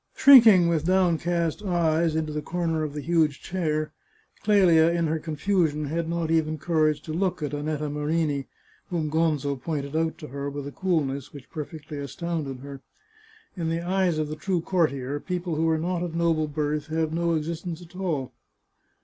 Shrinking, with downcast eyes, into the corner of the huge chair, Clelia, in her confusion, had not even courage to look at Annetta Marini, whom Gonzo pointed out to her with a coolness which perfectly astounded her. In the eyes of the true courtier, people who are not of noble birth have no ex istence at all.